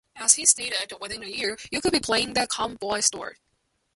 As he stated, "within a year, you could be playing the Comedy Store".